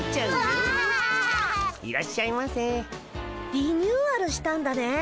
リニューアルしたんだね。